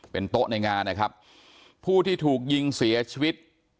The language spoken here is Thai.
เป็นโต๊ะในงานนะครับผู้ที่ถูกยิงเสียชีวิต